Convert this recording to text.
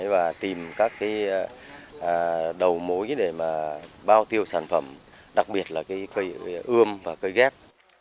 và tìm các đầu mối để bao tiêu sản phẩm đặc biệt là cây ươm và cây ghép